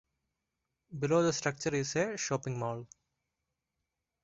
Below the structure is a shopping mall.